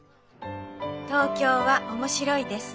「東京は面白いです。